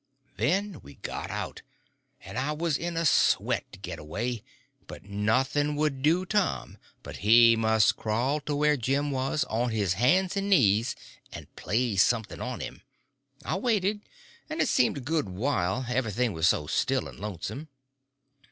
Then we got out, and I was in a sweat to get away; but nothing would do Tom but he must crawl to where Jim was, on his hands and knees, and play something on him. I waited, and it seemed a good while, everything was so still and lonesome.